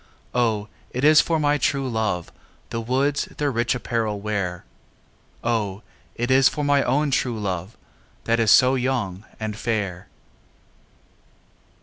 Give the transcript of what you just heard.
O, it is for my true love The woods their rich apparel wearâ O, it is for my own true love, That is so young and fair.